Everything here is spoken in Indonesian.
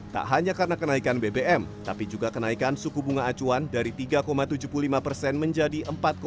tak hanya karena kenaikan bbm tapi juga kenaikan suku bunga acuan dari tiga tujuh puluh lima persen menjadi empat tiga